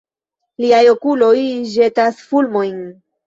Liaj okuloj ĵetas fulmojn!